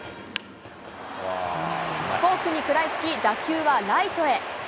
フォークに食らいつき、打球はライトへ。